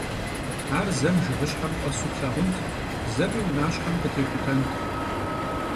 Ар зэм жыгыщхьэм фӀэсу плъагъунт, зэми унащхьэм къытехутэнт.